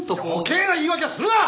余計な言い訳はするな！